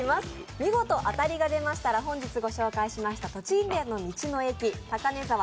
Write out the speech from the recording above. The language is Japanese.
見事当たりが出ましたら、本日御紹介しました栃木県の道の駅たかねざわ